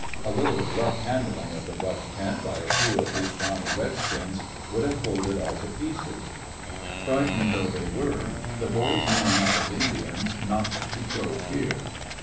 A little rough handling of the brush tent by a few of these brawny redskins would have pulled it all to pieces. Frightened though they were, the boys knew enough of Indians not to show fear.